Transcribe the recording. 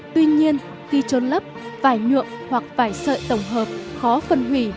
tuy nhiên khi trốn lấp vải nhượng hoặc vải sợi tổng hợp khó phân hủy